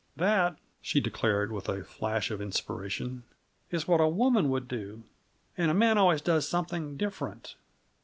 That," she declared with a flash of inspiration, "is what a woman would do. And a man always does something different!"